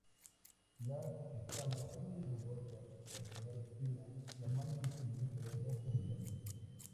Las escamas son muy rugosas por tener espinas, normalmente de un color rojo brillante.